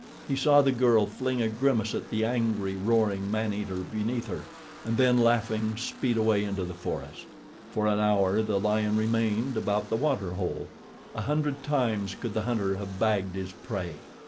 He saw the girl fling a grimace at the angry, roaring, maneater beneath her, and then, laughing, speed away into the forest. For an hour the lion remained about the water hole. A hundred times could the hunter have bagged his prey.